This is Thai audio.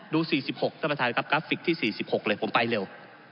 ดูสี่สิบหกท่านประธานครับกราฟิกที่สี่สิบหกเลยผมไปเร็ว